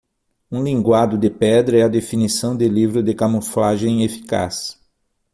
Um linguado de pedra é a definição de livro de camuflagem eficaz.